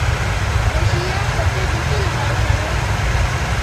د شیا بټر د څه لپاره وکاروم؟